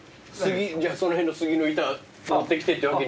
じゃあその辺のスギの板持ってきてっていうわけには？